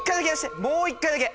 もう１回だけ。